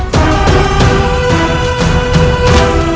memberi duit ini